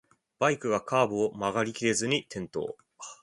バイクがカーブを曲がりきれずに転倒